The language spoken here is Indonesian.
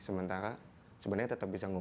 sekarang masuk vainjut adatnya